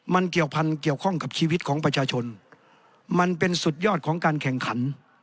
มันเกี่ยวพันธุ์เกี่ยวข้องกับชีวิตของประชาชนมันเป็นสุดยอดของการแข่งขัน